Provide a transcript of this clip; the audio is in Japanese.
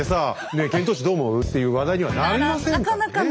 「ねえ遣唐使どう思う？」っていう話題にはなりませんからね。